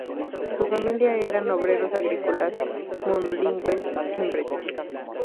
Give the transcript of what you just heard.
Su familia eran obreros agrícolas monolingües en bretón.